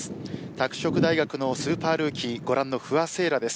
拓殖大学のスーパールーキーご覧の不破聖衣来です。